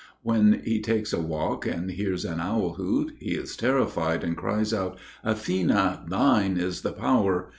When he takes a walk and hears an owl hoot, he is terrified and cries out: "Athena! thine is the power!"